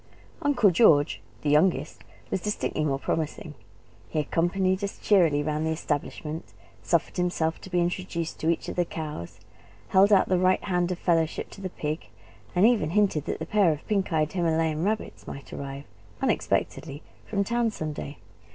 Uncle George the youngest was distinctly more promising. He accompanied us cheerily round the establishment, suffered himself to be introduced to each of the cows, held out the right hand of fellowship to the pig, and even hinted that a pair of pink eyed Himalayan rabbits might arrive unexpectedly from town some day.